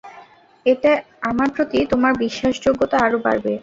এতে আমার প্রতি তোমার বিশ্বাসযোগ্যতা আরো বাড়বে।